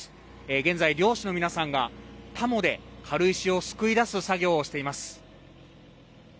現在、漁師の皆さんがたもで軽石をすくい出す作業をしています。